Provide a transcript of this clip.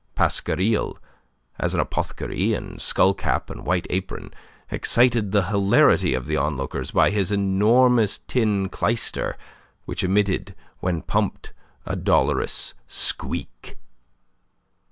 Pasquariel, as an apothecary in skull cap and white apron, excited the hilarity of the onlookers by his enormous tin clyster, which emitted when pumped a dolorous squeak.